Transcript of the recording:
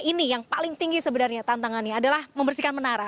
ini yang paling tinggi sebenarnya tantangannya adalah membersihkan menara